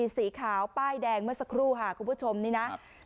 สีขาวป้ายแดงเมื่อสักครู่ค่ะคุณผู้ชมนี่นะ